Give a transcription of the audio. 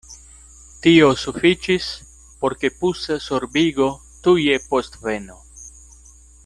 Tio sufiĉis, por ke pusa sorbigo tuje postvenu.